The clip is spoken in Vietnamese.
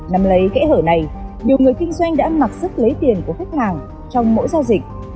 năm lấy kẽ hở này nhiều người kinh doanh đã mặc sức lấy tiền của khách hàng trong mỗi giao dịch